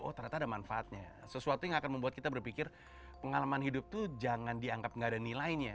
oh ternyata ada manfaatnya sesuatu yang akan membuat kita berpikir pengalaman hidup tuh jangan dianggap nggak ada nilainya